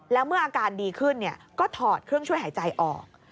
แล้วเมื่ออาการดีขึ้นก็ถอดเครื่องช่วยหายใจออก